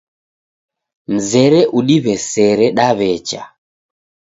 Mzere udiw'esere, daw'echa